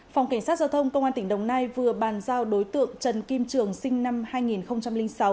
phòng cảnh sát giao thông công an tỉnh đồng nai vừa bàn giao đối tượng trần kim trường sinh năm hai nghìn sáu